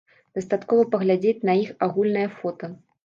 Дастаткова паглядзець на іх агульнае фота.